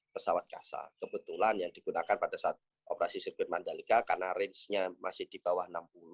pesawat kasa kebetulan yang digunakan pada saat operasi sirkuit mandalika karena range nya masih di bawah enam puluh